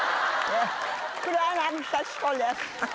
黒柳徹子です。